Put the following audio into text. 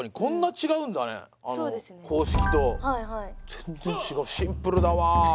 全然違うシンプルだわ。